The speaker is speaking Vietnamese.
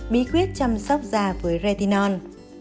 bí quyết chăm sóc da với retinol